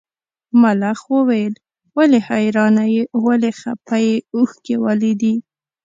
ملخ وویل ولې حیرانه یې ولې خپه یې اوښکي ولې دي.